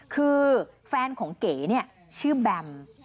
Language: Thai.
คือแฟนของเก๋เนี่ยชื่อแบม